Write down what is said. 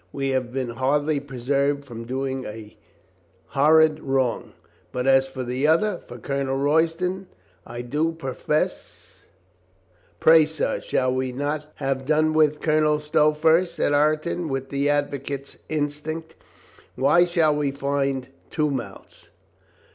We have been hardly preserved from doing a hor rid wrong. But as for the other, for Colonel Roy ston, I do profess " "Pray, sir, shall we not have done with Colonel Stow first?" said Ireton with the advocate's instinct. "Why shall we find two mouths?